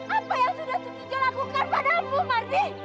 apa yang sudah tukijo lakukan padamu marni